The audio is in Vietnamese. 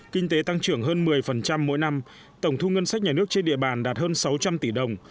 kinh tế tăng trưởng hơn một mươi mỗi năm tổng thu ngân sách nhà nước trên địa bàn đạt hơn sáu trăm linh tỷ đồng